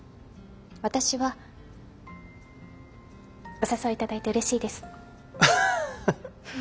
私はお誘い頂いてうれしいです。